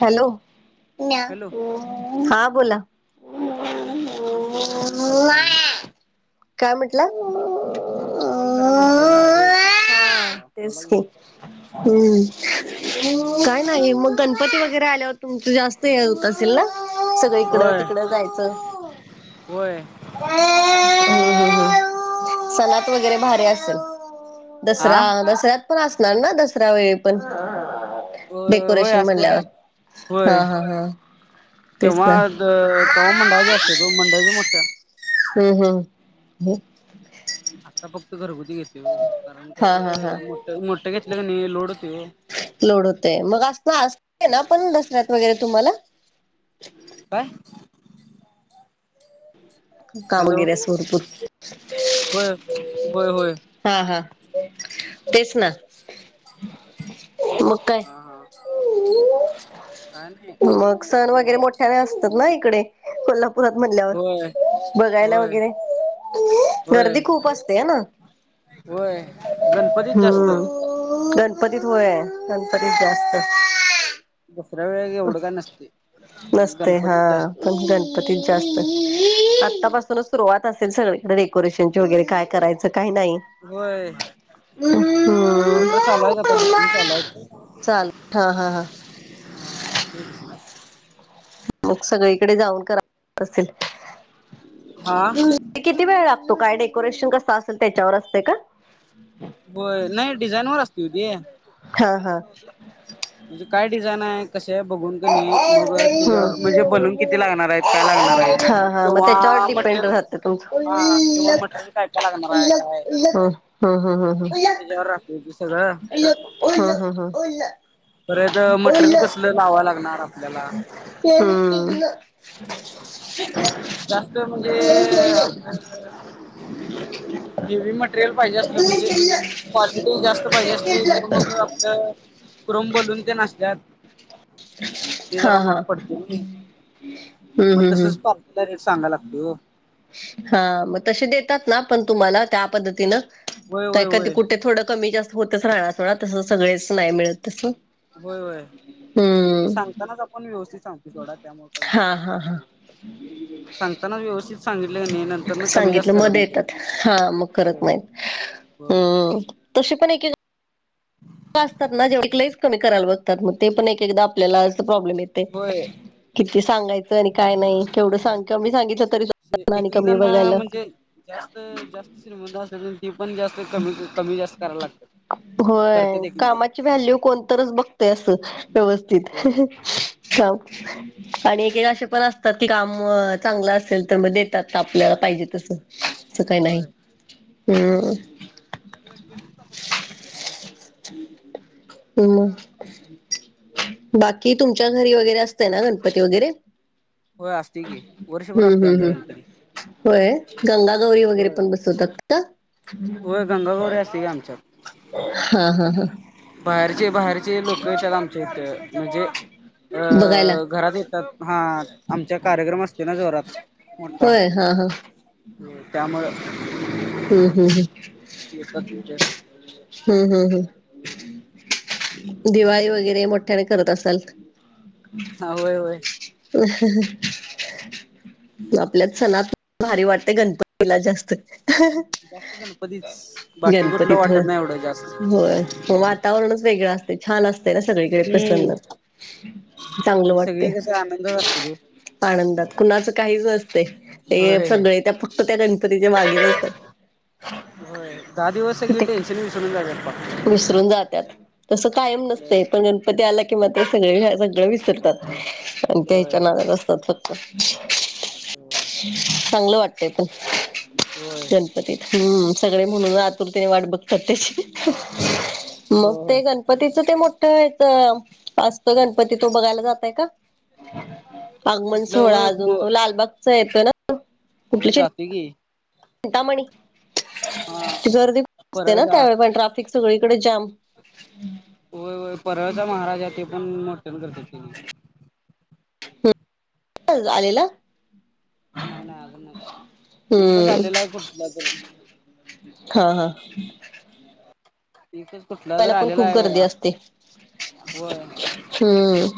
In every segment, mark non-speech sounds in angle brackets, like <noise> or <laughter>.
Hello hello हा बोला तेस किं ना कल करा काय म्हटलं हा कॉल करा म्हटलेला ओ तेच बोला की हम्म काय नाही मग गणपती वगैरे आल्यावर तुमचं जास्त हे होत असेल ना सगळं इकडं होय तिकडं जायचं होय ्् सणत वगैरे भारी असेल दसरा दसऱ्यात पण असणार ना दसरा्या वेळी पण होय होय डेकोरेशन असते की म्हणल्यावर होय हा हा हा तेच तेव्हा तेव्हा मंडळाज असतो तो मंडळाजी मोठा हम् हम हो. आता फक्त घरगुती घेते हो कारण हा हा हा कसं मोठ मोठ घेतलं क नाही लोड. होतोय ओ लोड होते मग अस असते ना पण दसऱ्यात वगैरे तुम्हाला काय? हॅलो कामगैरे सरपूर होय होय होय. हा हा तेच ना. मग काय हा हा. काय नाही मग सण वगैरे निवांत मोठ्याने असतात ना इकडे. कोल्हापुरात म्हणल्यावर होय बघायला होय वगैरे होय गर्दी खूप असते ह ना. होय गणपतीच जास्त हम्म गणपतीत होय गणपतीत जास्त दसर व नस्ते हा जास्त प जास्त आतापासूनच सुरुवात असेल सगळीकडे डेकोरेशन वगैरे काय करायचं काही नाही. होय ऑर्डर हम्म चालूयत आता बुकिंग चालुत चाल हा हा हा मग सगळीकडे जाऊन करा असेल. हा ते किती वेळ लागतो काय डेकोरेशन कसं असेल त्याच्यावर असते का? हो नाही डिझाईन वर असती ओ ते. हा हा. म्हणजे काय डिझाईन आहे. कसे बघून क नई मग हम्म. त्याच्यावर म्हणजे बालून किती लागणार आहेत काय लागणार आहेत हा हा मग किंवा त्याच्यावर डिपेंड मटेरियल राहते तुमचं हा किंवा मटेरियल काय काय लागणार आहे काय? हम हम हम हं. त्याच्यावर राहतंय ते सगळं. हा हा हा. परत मटेरियल कसलं लावाय लागणार आपल्याला हम. जास्त म्हणजे हेवी मटेरियल पाहिजे असलं म्हणजे क्वालिटी जास्त पाहिजे असली तर मग हम्म. आपलं क्रोम बलून तेन असत्यात. ते हा जरा हा महाग पडते नाई हम्म मग हम्म हम्म तसच <unintelligible> रेट सांगाय लागतोय ओ. हा मग तसे देतात ना पण तुम्हाला त्या पद्धतीनं होय काय होय कधी होय कुठे थोडं कमी जास्त होतच राहनार सोडा तस सगळेच नाही मिळत तस. होय होय सांगतानाच आपण व्यवस्थित सांगतोय सोडा त्यामुळे का विषय हा नाही. हा हा <inaudible> सांगताना व्यवस्थित सांगितल क नाई नंतर न कमी जास्त सांगितलं करत मग देतात नाइत ओ होय. हो हम् तशी पण एक <inaudible> असतात ना जेव कमी करायला बघतात मग ते पण एक एकदा आपल्याला अस प्रॉब्लेम येतय. होय किती सांगायचं आणि काय नाही केवढं सांग कमी सांगितच तरी आणि एक एक कमी जण बघायला म्हणजे जास्त जास्त श्रीमंत असल ती पण जास् ते कमी कमी जास्त करायला लागत करते एक जण त्याची वव्हॅल्यू कोणतरच बघतय अस व्यवस्थित होय आणि एक एक असे पण असतात की काम चांगलं असेल तर मग देतात आपल्याला पाहिजे तसं. असं काही नाही होय हम्म. <inaudible> <inaudible> हम बाकी तुमच्या घरी वगैरे असतंय ना गणपती वगैरे? हो असते की वर्षभर हम्म असते हम्म आमचा हम्म गणपती. होय गंगा गौरी वगैरे होय. पण बसवतात का? होय गंगागौरी असते की आमच्यात हा हा हा. बाहेरचे बाहेरचे लोक येतात आमच्या इथ म्हणजे बघायला अ घरात येतात हा आमच्या कार्यक्रम असते ना जोरात. मोठा होय हा हा त्यामुळं हम्म हम्म येतात हम् तिथे हम्म हम्म हम्म. दिवाळी वगैरे मोठ्याने करत असाल. हा होय होय. हा हा हा. आपल्यात सणात भारी वाटते गणपतीला जास्त जास्त गणपतीच बाकी कुठलं वाटत नाही एवढं जास्त मग वातावरणच वेगळं. ते छान असतय ना सगळीकडे प्रसन्न हम्म. चांगलं आणि सगळी वाटते. कसं आनंदात असत्यात ओ. आनंदात कुणाचं काहीच असतय हे होय सगळे त्या फक्त त्या गणपतीच्या मागेच असतात. होय दहा दिवस सगळी ते टेनशन विसरून जात्यात पाक. विसरून जातात तसं कायम होय. नसतंय पण आला की मात्र सगळे सगळं विसरतात आणि त्या होय ह्याच्या नाात असतात फत होय चांगलं वाटतंय पण होय गणपतीत हम्म सगळे म्हणून आतुरतेने वाट बघतात त्याची मग होय. ते गणपतीचं ते मोठं असजत गणपती तू बघायला जातय का आगमन कुठलं सोहळा वय अजून तो लालबागचा येतो ना हो जात की ंतामणी हा जर्दी असते ना परळचा त्यावे पण्रफ एक सगळीकडे जाम होय होय परळचा महाराज आहे ते पण मोटन करत त आलेला नाही नाही आगं नाही इक हम्म झालेला गु तर हा हा तीफच कुठला ज बघायला पण आलेला खूप आहे गर्दी बाबा असते होय हम्म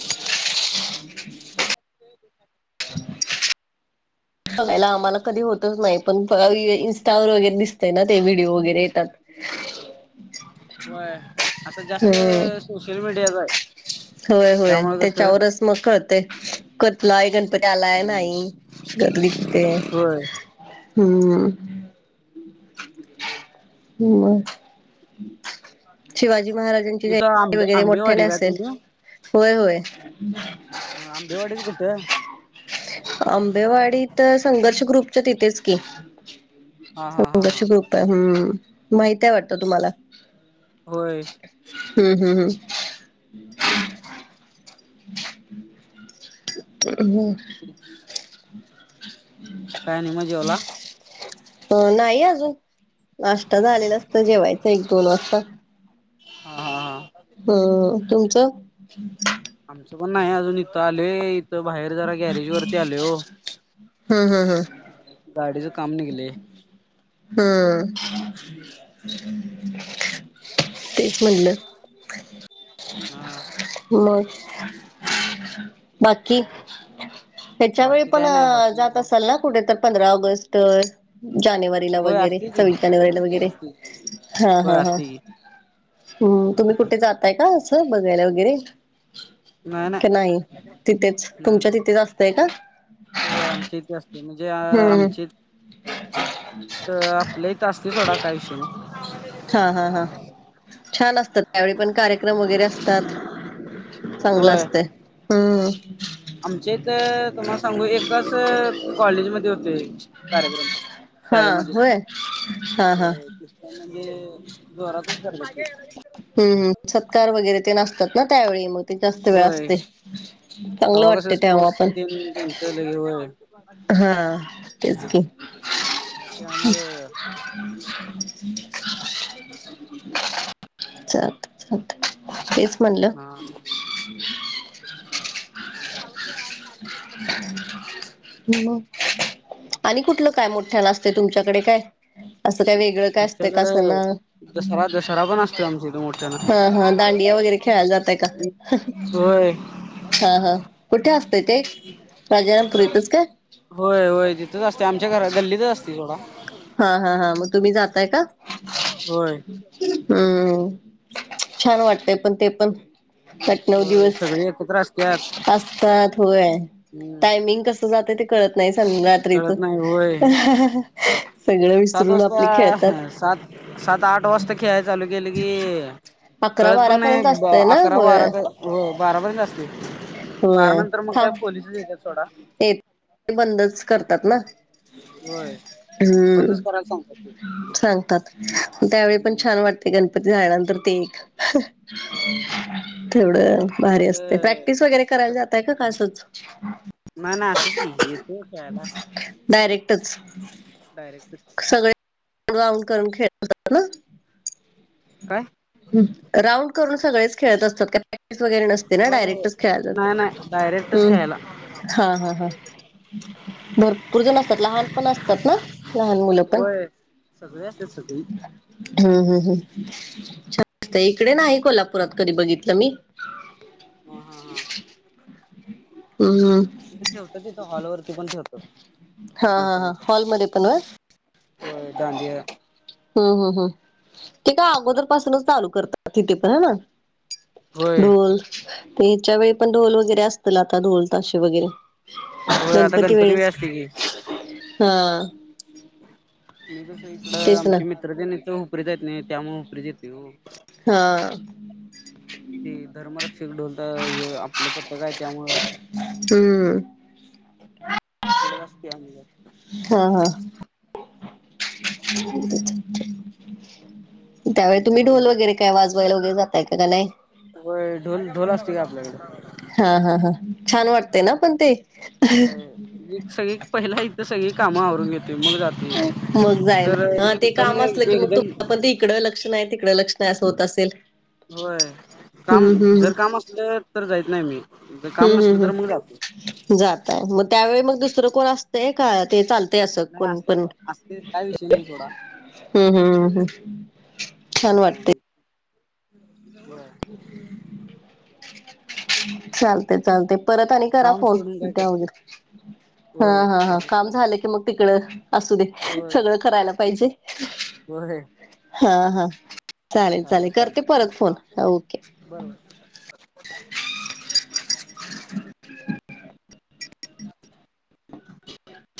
हो <inaudible> बघायला आम्हाला कधी होतच नाही पण इंस्टा ववर वगैरे दिसतय ना ते व्हिडिओ वगैरे येतात होय आता जास्त हम्म सोशल मीडियाच आहे होय होय त्यामुळे कसं त्याच्यावर मग कळतेय करतलाय गणपती आलाय नाही गदी तिथ होय हम्म शिवाजी महाराज इथं आंबे वगैरे मोठ्या आंबेवाडी न का असेल तुम्ही होय होय ह अंबे वाडत कुठ आंबेवाडी तर संघर्ष ग्रुपच्या तिथेच की हा हा हा दश हा ग्रुप आहे हम्म माहित आहेय वाटतं तुम्हाला होय हम् हम् हम् हो ते नाही मग जेवला अ नाही अजुन- नाश्ता झालेला असत जेवायचं एक दोन वाजता हा हा हा हम तुमचं आमचं पण नाही अजून इथं आलेय इथं बाहेर जरा गॅरेज वरती आले हो हम् हम हम् गाडीचं काम निघलय हम्म तेच म्हणलं हा मग बाकी हिच्या वेळी बाकी पण काय नाही बाकी जात निवांत असल ना पुढे तर पंधरा ऑगस्ट जानेवारी होय वगैरे असते की सविला असते वगैरे असते हा हा होय हा असते की हम्म तुम्ही कुठे जाताय का असं बघायला वगैरे की नाही तिथेच नाही तुमच्या नाही तिथेच असतंय का होय आमची इथे असते म्हणजे अ हम्म आमची तर आपल्या इ तर असतेच होोडा काय विषयी हा हा हा छान असतात त्यावेळी पण कार्यक्रम वगैरे असतात चांगलं होय असते हम्म आमच्या इथ तुम्हाला सांगु कस कॉलेज मध्ये होते कार्यक्रम फक्त हा शाळेमध्ये होय हा हा होय म्हणजे जोरातच करत हम् हम् सत्कार वगैरे ते नसतात ना त्यावेळी मग जास्त वेळ होय असते चांगलं वाटते तेव्हा पण ह <inaudible> हा तेच की त्यामुळे <inaudible> चालते चालते तेच म्हणलं ह <inaudible> ह <inaudible> मग आणि कुठलं काय मोठ्या नाचते तुमच्याकडे काय असं काय वेगळं का कस आमच्याकडं दसरा दसरा पण असतोय आमच्या इथं मोठ्यानं. दांडिया वैगरे खेळाय जाता होय हा हा कुठे असता ते राजारामपुरी ईथस का होय होय तिथंच असते आमच्या घर गल्लीतच असते थोडा हा हा हा मग तुम्ही जाताय का होय हम्म छान वाटतय पण ते पण आठ नऊ होय दिवस सगळी एकत्र असत्यात असतात होय हम्म टायमिंग कस जात ते कळत नाही स रात्रीच कळत नाही होय. सगळं सात विसरून आपली खेळतात वाजता सात आठ वाजता खेळाय चालु केलं की अकरा कळत पण बारा पर्यंत नाही असतय ना अकरा बारा होय हो बारापर्यंत असते- बारा होय नंतर मग काय पोलिसच येतात थोडा ते बंदच करतात ना होय हम्म बंदच करायला सांगतात ते सांगतात त्यावेळी पण छान वाटते गणपती झाल्यानंतर ते एक होय. तेवढ भारी असते प्रॅक्टिस वेगैरे करायला जात का असंच नाही नाही असंच कीे डायरेक्टच डायरेक्ट सगळे राऊंड करून खेळतात ना काय राऊंड करून सगळेच खेळत असतात वगैरे नसते ना हो डायरेक्टच नाही नाही खेळायचाात् डायरेक्टच खेळायला हा ह ह भरपूर जण असतात लहान पण असतात ना लहान मुलं पण होय सगळे अस सगळी हम्म हम् हम् छानत इकडे नाही कोल्हापुरात कधी बघितलं मी ह हा हा हम् े होत तिथ हॉलवररती पण ठेवत हा हा मोठ्या हा मोठ्या हॉलमध्ये पण व्हय होडद हम् हम् हम ते काय अगोदर पासुनच चालू करतात तिथे पण ना होय ढोल ते ह्याच्या वेळी पण ढोल वगैरे असतील आता ढोल ताशे वगैरे होय आता गणपती वेळ वेळेस असते की हा मी तस इकडं तेच ना आमचे मित्रते नाही तर उपरीच येत नाही त्यामुळे उपरीच येते हो हा धर्मरक्षक ढोलत हे आपलं पथ का आहे त्यामुळं हम इकडे जा असते आमला हा हा त्यावे तुम्ही म्हणलं ढोल वगैरे काय वाजवायलागे जातय काय नाही ढोल ढोल असते का आपल्याकडे हा हा हा छान वाटतेय ना पण ते एक सग पहिला इथ सगळी कामं आवरून घेते मग जाते मग जायला तरंत नाही एकदम तिकडं लक्ष नाही आहे तिकडं लक्षण नाही असं होत असेल होय काम हम्म हम्म जर काम असलं तर जायच नाही मी जर काम हम्म हम् नसलं तर मग जातो. हम् जातय मग त्यावेळी मग दुसरं कोण असतंय का ते चालत ते असं नाही कोण असते पण असते काय विषय नाही सोडा हम्म हम्म हम् हम् छान वाटते ब चालते चालते परत आणि करा काम फोन सोडून काय त्या करत नाही वगर हा होय हा हा बरोबर काम चालेल झालं की मग तिकड असू दे होय. सगळं करायला पाहिजे होय हा हा चालेल चालेल करते परत फोन ओके बरोबर <unintelligible>